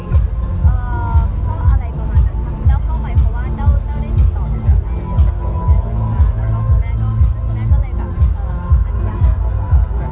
อกแล้วแม่ก็เลยแบบอัญญา